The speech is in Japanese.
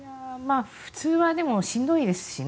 普通はでも、しんどいですしね。